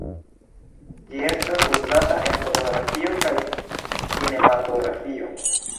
Ĝi estas uzata en fotografio kaj kinematografio.